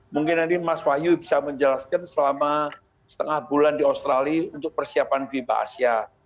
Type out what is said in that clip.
mungkin nanti mas wahyu bisa menjelaskan selama setengah bulan di australia untuk persiapan fiba asia